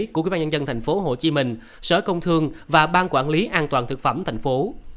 của quỹ ban nhân dân tp hcm sở công thương và ban quản lý an toàn thực phẩm tp